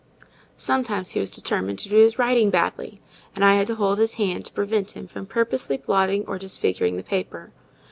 Sometimes he was determined to do his writing badly; and I had to hold his hand to prevent him from purposely blotting or disfiguring the paper.